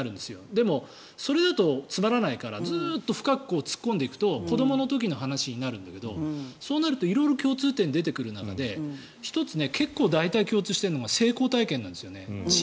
でも、それだとつまらないからずっと深く突っ込んでいくと子どもの時の話になるんだけど色々と共通点が出てくる中で１つ、結構大体共通しているのが成功体験なんですよね。